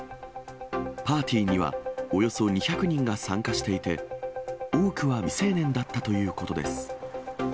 パーティーにはおよそ２００人が参加していて、多くは未成年だったということです。